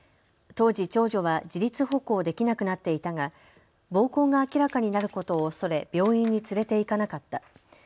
当時、長女は自立歩行できなくなっていたが暴行が明らかになることを恐れ病院に連れて行かなかった。